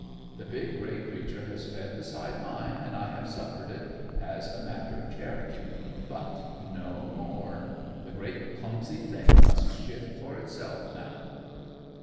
This big grey creature has fed beside mine, and I have suffered it, as a matter of charity; but no more. The great clumsy thing must shift for itself now."